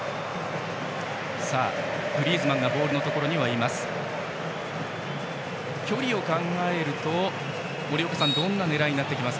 グリーズマンがボールのところにいます。